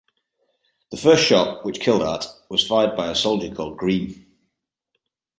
The first shot, which killed Art, was fired by a soldier called Green.